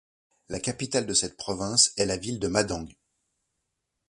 La capitale de cette province est la ville de Madang.